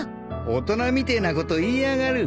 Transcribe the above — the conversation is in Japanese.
大人みてえなこと言いやがる。